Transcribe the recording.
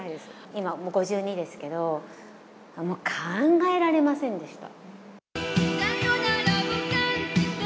今、５２ですけど、もう考えられませんでした。